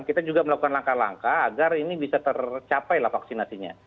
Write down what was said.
kita juga melakukan langkah langkah agar ini bisa tercapailah vaksinasinya